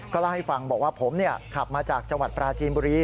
เล่าให้ฟังบอกว่าผมขับมาจากจังหวัดปราจีนบุรี